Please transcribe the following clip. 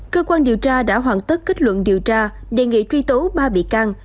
cơ quan điều tra đã hoàn tất kết luận điều tra đề nghị truy tố ba bị can